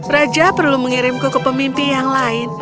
raja perlu mengirimku ke pemimpin yang lain